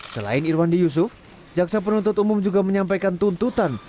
selain irwandi yusuf jaksa penuntut umum juga menyampaikan tuntutan